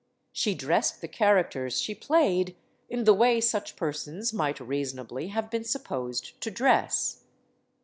She dressed the characters she played in the way such persons might reasonably have been supposed to dress.